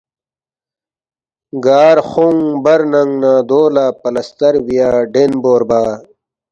گار خونگ بر ننگ نہ دو لہ پلستر بیا ڈین بوربا